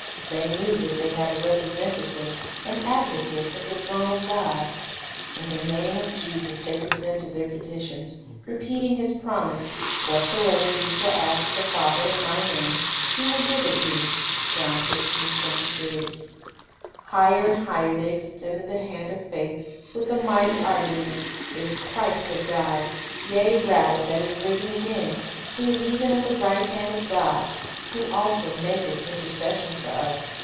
They knew that they had a representative, an advocate, at the throne of God. In the name of Jesus they pre sented their petitions, repeating His promise, "What soever ye shall ask the Father in My name, He will give it you." 1 Higher and higher they extended the hand of faith, with the mighty argument, "It is Christ that died, yea rather, that is risen again, who is even at the right hand of God, who also maketh intercession for us."